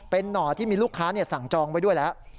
เป็นหน่อที่มีลูกค้าสั่งจองไว้ด้วยแล้ว